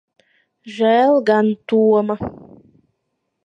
Žēl gan Toma.